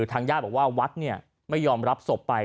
ทางญาติบอกว่าวัดไม่ยอมรับศพไป